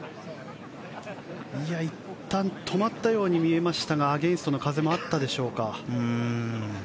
いったん止まったように見えましたがアゲンストの風もあったでしょうか。